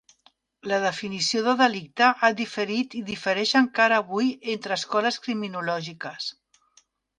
La definició de delicte ha diferit i difereix encara avui entre escoles criminològiques.